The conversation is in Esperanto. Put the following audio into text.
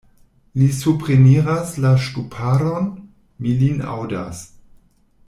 Li supreniras la ŝtuparon: mi lin aŭdas.